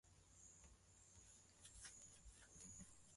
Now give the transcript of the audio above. na mahusiano ya huko nyuma ya kibiashara na nchi hiyo